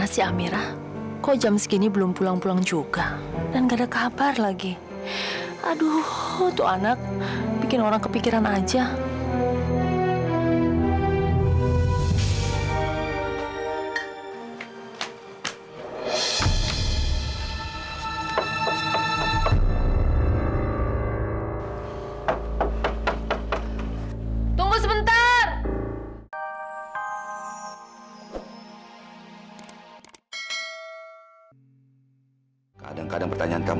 sampai jumpa di video selanjutnya